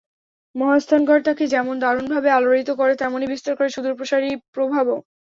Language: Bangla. মহাস্থানগড় তাঁকে যেমন দারুণভাবে আলোড়িত করে তেমনি বিস্তার করে সুদূরপ্রসারী প্রভাবও।